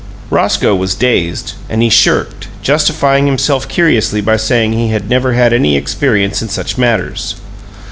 Roscoe was dazed, and he shirked, justifying himself curiously by saying he "never had any experience in such matters."